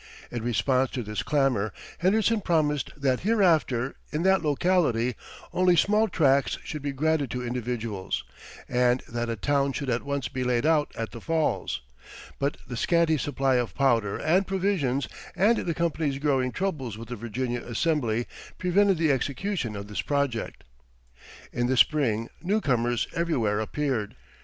In response to this clamor Henderson promised that hereafter, in that locality, only small tracts should be granted to individuals, and that a town should at once be laid out at the Falls; but the scanty supply of powder and provisions, and the company's growing troubles with the Virginia Assembly, prevented the execution of this project. In the spring newcomers everywhere appeared.